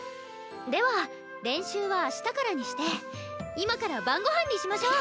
では練習は明日からにして今から晩御飯にしましょう。